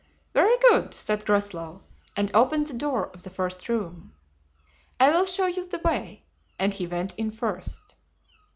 "Very good," said Groslow, and opened the door of the room. "I will show you the way," and he went in first.